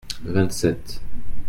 Vingt-sept.